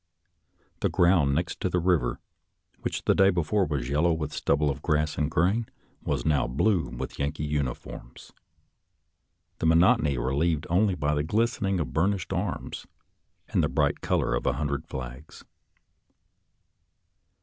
The ground next to the river, which the day before was yellow with the stubble of grass and grain, was now blue with Yankee uniforms, the monotony relieved only by the glistening of burnished arms and the bright colors of a hundred flags.